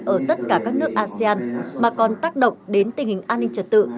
ở tất cả các nước asean mà còn tác động đến tình hình an ninh trật tự